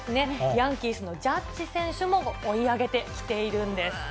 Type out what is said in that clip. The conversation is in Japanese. ヤンキースのジャッジ選手も追い上げてきているんです。